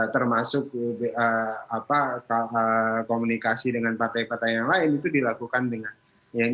termasuk komunikasi dengan partai partai yang lain itu dilakukan dengan yang